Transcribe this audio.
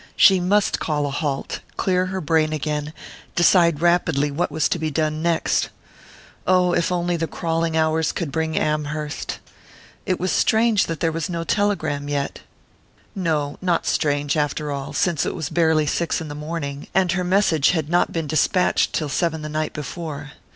She must call a halt, clear her brain again, decide rapidly what was to be done next.... Oh, if only the crawling hours could bring Amherst! It was strange that there was no telegram yet no, not strange, after all, since it was barely six in the morning, and her message had not been despatched till seven the night before.